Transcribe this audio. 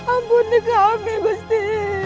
ampun dikami gusti